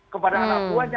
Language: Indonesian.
kepada anak buahnya